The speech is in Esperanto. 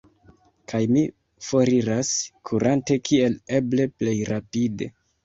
Kaj mi foriras, kurante kiel eble plej rapide.